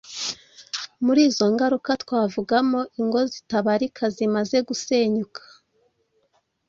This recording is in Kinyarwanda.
Muri izo ngaruka twavugamo ingo zitabarika zimaze gusenyuka